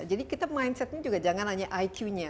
jadi kita mindsetnya juga jangan hanya iq nya